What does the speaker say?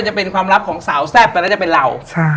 จะเป็นความลับของสาวแซ่บตอนนั้นจะเป็นเรา